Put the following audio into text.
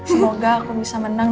semoga aku bisa menang